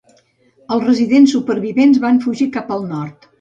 Els residents supervivents van fugir cap al nord.